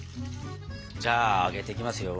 じゃああげていきますよ。